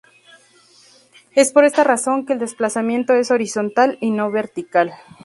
Es por esta razón que el desplazamiento es horizontal y no vertical.